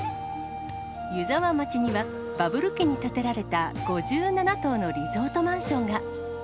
湯沢町には、バブル期に建てられた５７棟のリゾートマンションが。